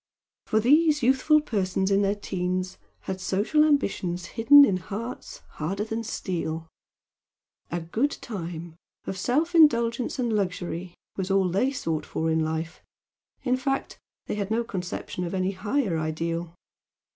For these youthful persons in their 'teens had social ambitions hidden in hearts harder than steel "a good time" of self indulgence and luxury was all they sought for in life in fact, they had no conception of any higher ideal.